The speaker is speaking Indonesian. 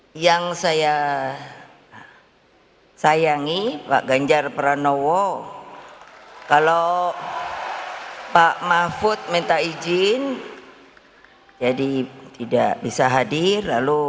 hai yang saya sayangi pak ganjar pranowo kalau pak mahfud minta izin jadi tidak bisa hadir lalu